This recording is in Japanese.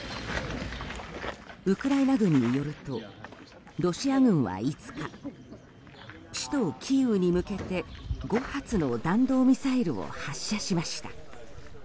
ウクライナ軍によるとロシア軍は５日首都キーウに向けて５発の弾道ミサイルを発射しました。